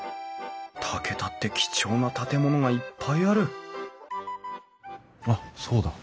竹田って貴重な建物がいっぱいあるあっそうだ。